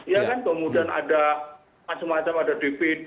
ya kan kemudian ada masy masyarakat ada dpd